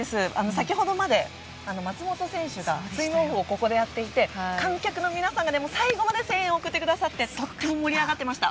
先ほどまで松元選手がスイムオフをここでやっていて観客の皆さんが最後まで声援を送ってくださってとても盛り上がっていました。